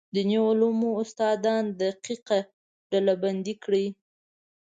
دیني علومو استادان دقیقه ډلبندي کړي.